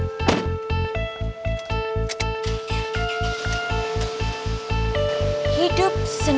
maksudnya bacet dia adalah patiente karakteristen